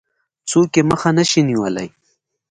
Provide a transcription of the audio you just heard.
څوک يې مخه نه شي نيولای.